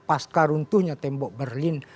pasca runtuhnya tembok berlin